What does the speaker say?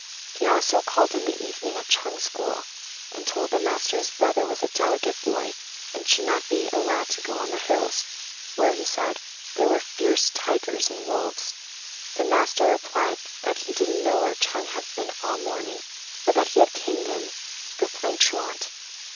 He also called in the evening at Ch'êng's school, and told the master his brother was a delicate boy, and should not be allowed to go on the hills, where, he said, there were fierce tigers and wolves. The master replied that he didn't know where Ch'êng had been all the morning, but that he had caned him for playing truant.